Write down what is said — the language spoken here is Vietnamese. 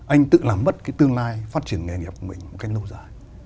anh tự làm bất cái tương lai phát triển nghề nghiệp của mình một cách lâu dài